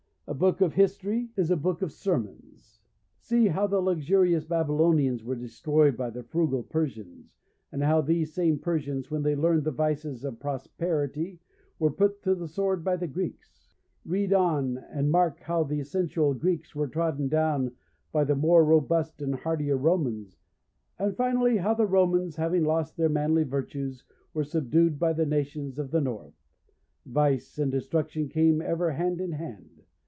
A book of history is a book of sermons. See how the luxurious Babylonians were destroyed by the frugal Persians, and how these same Persians when they learned the vices of prosperity were put to the sword by the Greeks. Read on and mark how the sensual Greeks were trodden down by the more robust and hardier Romans, and finally how the Romans, having lost their manly virtues, were subdued by the nations of the north. Vice and destruction came ever hand in hand.